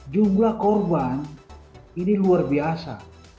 jumlah korban ini luar biasa